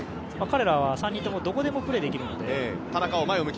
彼らは３人ともどこでもプレーできるので。